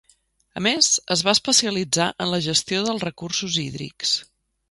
A més, es va especialitzar a la gestió dels recursos hídrics.